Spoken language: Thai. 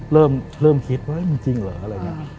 เริ่มคิดว่ามันจริงเหรอ